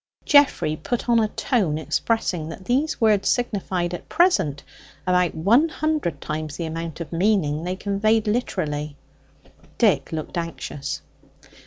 Geoffrey put on a tone expressing that these words signified at present about one hundred times the amount of meaning they conveyed literally. Dick looked anxious.